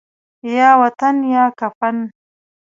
یا وطن یا کفن